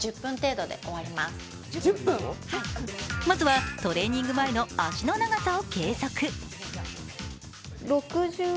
まずはトレーニング前の脚の長さを計測。